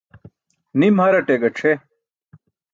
Nim haraṭe gac̣ʰe.